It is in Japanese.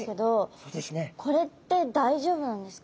これって大丈夫なんですか？